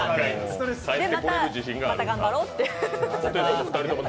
で、また頑張ろうっていう。